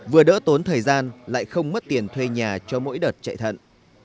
vừa đỡ tốn thời gian lại không mất tiền thuê nhà cho mỗi đợt chạy thận